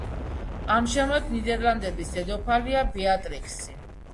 ამჟამად ნიდერლანდების დედოფალია ბეატრიქსი.